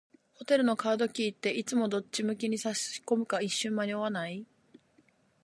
ホテルのカードキーって、いつもどっち向きに差し込むか一瞬迷わない？